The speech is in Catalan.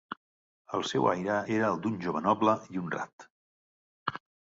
el seu aire era el d'un jove noble i honrat